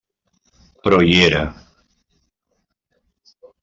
Però hi era.